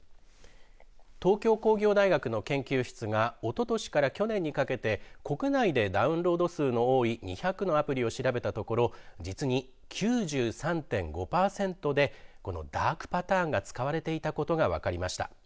東京工業大学の研究室がおととしから去年にかけて国内でダウンロード数の多い２００のアプリを調べたところ実に９３．５パーセントでこのダークパターンが使われていたことが分かりました。